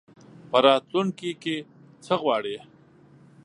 په راتلونکي کي څه غواړې ؟